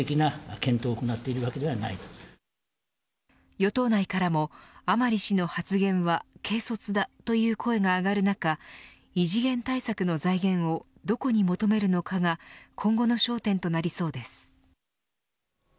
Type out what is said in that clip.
与党内からも甘利氏の発言は軽率だ、という声が上がる中異次元対策の財源をどこに求めるのかが今後の焦点となりそうです。